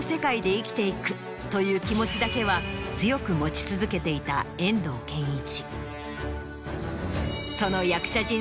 という気持ちだけは強く持ち続けていた遠藤憲一。